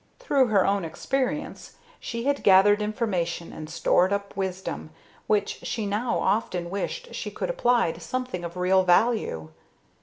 Through her own experience she had gathered information and stored up wisdom, which she now often wished she could apply to something of real value.